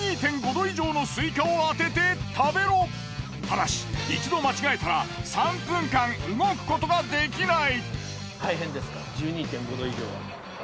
ただし一度間違えたら３分間動くことができない。